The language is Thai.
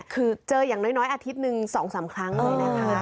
คือเจออย่างน้อยอาทิตย์หนึ่ง๒๓ครั้งเลยนะคะ